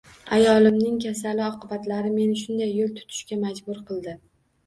Ayolimning kasali oqibatlari meni shunday yo‘l tutishga majbur qildi.